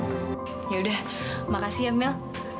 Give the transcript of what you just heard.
ya udah makasih ya mil